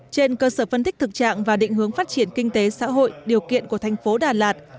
trên cơ sở phân tích thực trạng và định hướng phát triển kinh tế xã hội điều kiện của thành phố đà lạt